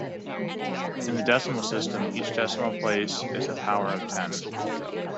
In the decimal system each decimal place is a power of ten.